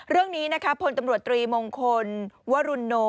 เรื่องนี้นะคะพลตำรวจตรีมงคลวรุโน